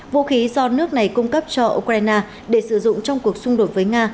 vũ khí do nước này cung cấp cho ukraine để sử dụng trong cuộc xung đột với nga